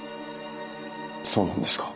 そうなんですか。